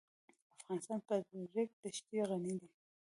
افغانستان په د ریګ دښتې غني دی.